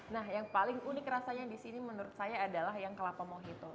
nah yang paling unik rasanya di sini menurut saya adalah yang kelapa mojito